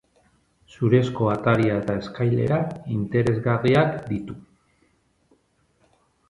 Zurezko ataria eta eskailera interesgarriak ditu.